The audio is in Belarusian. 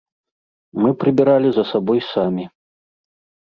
Мы прыбіралі за сабой самі.